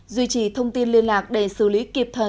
duy trì thông tin liên lạc để xử lý kịp thời